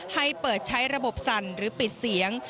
ให้เปิดใช้ระบบสั่นหรือปิดเสียง